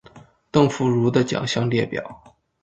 邓福如的奖项列表